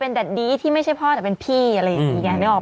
เป็นแดดดี้ที่ไม่ใช่พ่อแต่เป็นพี่อะไรอย่างเงี้ยได้ออก